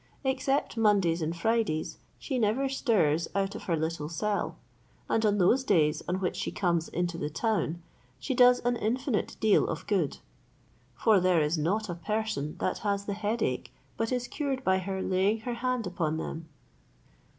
Except Mondays and Fridays, she never stirs out of her little cell; and on those days on which she comes into the town she does an infinite deal of good; for there is not a person that has the headache but is cured by her laying her hand upon them."